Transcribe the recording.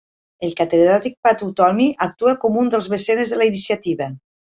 El catedràtic Pat Utomi actua com un dels mecenes de la iniciativa.